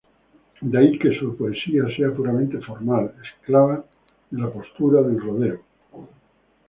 De ahí que su poesía sea puramente formal, esclava de la postura, del rodeo.